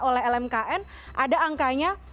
oleh lmkn ada angkanya